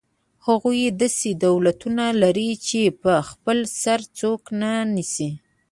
هغوی داسې دولتونه لري چې په خپل سر څوک نه نیسي.